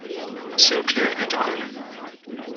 Sinclair et al.